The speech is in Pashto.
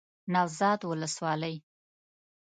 نوزاد ولسوالۍ